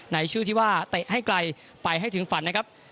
ในชื่อที่ว่าเตะให้ไกลไปให้ถึงฝันนะครับ